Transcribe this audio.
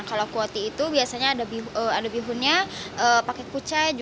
kalau kuotie itu biasanya ada bihunnya pakai pucat